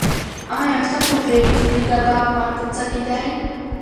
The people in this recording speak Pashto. ایا ته پوهېږې چې د کباب خوند په څه کې دی؟